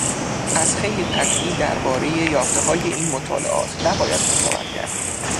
پس خیلی قطعی درباره یافتههای این مطالعات نباید قضاوت کرد.